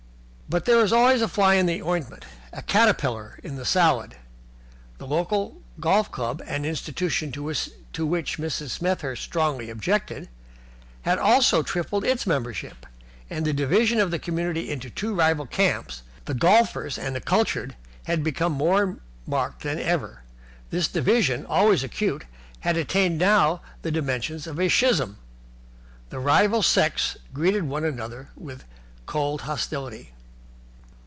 But there is always a fly in the ointment, a caterpillar in the salad. The local golf club, an institution to which Mrs. Smethurst strongly objected, had also tripled its membership; and the division of the community into two rival camps, the Golfers and the Cultured, had become more marked than ever. This division, always acute, had attained now to the dimensions of a Schism. The rival sects treated one another with a cold hostility.